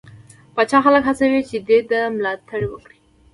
پاچا خلک هڅوي چې دې ده ملاتړ وکړي.